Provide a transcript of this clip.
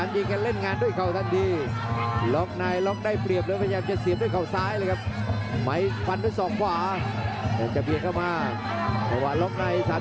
เจ้าเข้าหลวงไปหน่อยครับเจ้าไมค์เดอร์เดอร์เวียนครับจากฝรั่งเศส